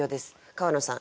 川野さん